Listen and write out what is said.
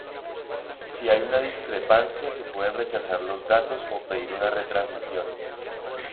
Si hay una discrepancia se pueden rechazar los datos o pedir una retransmisión.